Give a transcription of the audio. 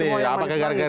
ini ada arah baru nih